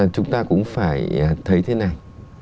chúng ta cũng phải thấy thế này